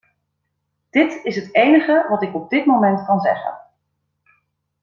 Dit is het enige wat ik op dit moment kan zeggen.